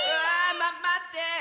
ままって！